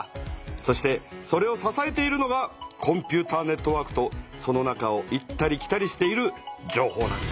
そしてそれをささえているのがコンピューターネットワークとその中を行ったり来たりしている情報なんだ。